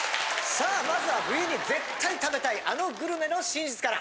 さあまずは冬に絶対食べたいあのグルメの真実から。